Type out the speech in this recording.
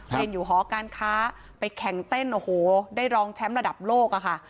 เรียนอยู่หอการค้าไปแข่งเต้นโอ้โหได้รองแชมป์ระดับโลกอะค่ะ